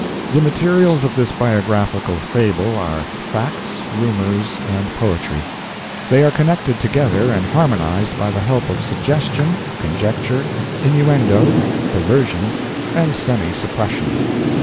The materials of this biographical fable are facts, rumors, and poetry. They are connected together and harmonized by the help of suggestion, conjecture, innuendo, perversion, and semi suppression.